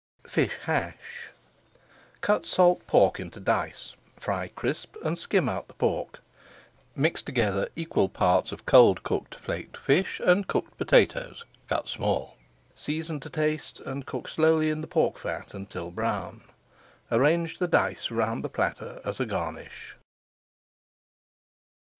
FISH HASH Cut salt pork into dice, fry crisp, and skim out the pork. Mix together equal parts of cold cooked flaked fish and cooked potatoes, cut small. Season to taste and cook slowly in the pork fat until brown. Arrange the dice around the platter as a garnish.